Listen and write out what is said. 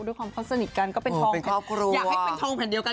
ด้วยความค่อนสนิทกันก็เป็นทรงแผ่นเดียวกัน